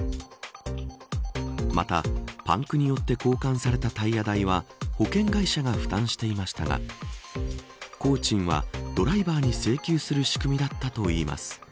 またパンクによって交換されたタイヤ代は保険会社が負担していましたが工賃はドライバーに請求する仕組みだったといいます。